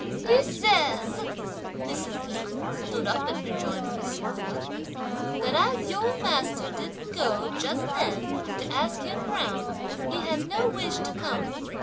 "He says," Mrs. Li stood up and rejoined with a smile, "that as your master didn't go just then to ask him round, he has no wish to come!"